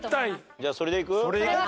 じゃあそれでいく？